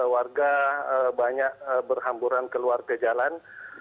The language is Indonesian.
warga banyak berhamburan keluar ke jalan